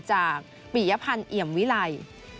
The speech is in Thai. จากปียพันธ์เอี่ยมวิไล